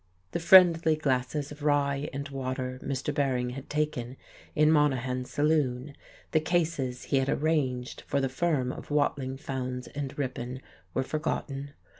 The friendly glasses of rye and water Mr. Bering had taken in Monahan's saloon, the cases he had "arranged" for the firm of Watling, Fowndes and Ripon were forgotten.